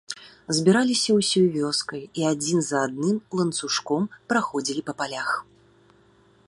Збіраліся ўсёй вёскай і адзін за адным ланцужком, праходзілі па палях.